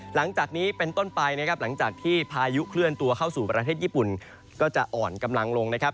หลังจากนี้เป็นต้นไปนะครับหลังจากที่พายุเคลื่อนตัวเข้าสู่ประเทศญี่ปุ่นก็จะอ่อนกำลังลงนะครับ